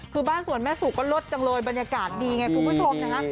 คือบ้านส่วนแม่สุก็ลดจังเลยบรรยากาศดีไงคุณผู้ชมนะคะ